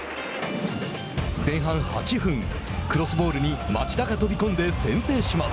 前半８分、クロスボールに町田が飛び込んで先制します。